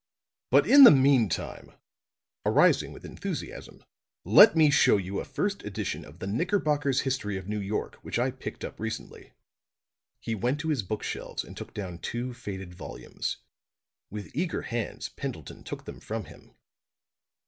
But in the meantime," arising with enthusiasm, "let me show you a first edition of the 'Knickerbocker's History of New York' which I picked up recently." He went to his book shelves and took down two faded volumes. With eager hands Pendleton took them from him.